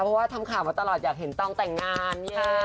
เพราะว่าทำข่าวมาตลอดอยากเห็นต้องแต่งงานเนี่ย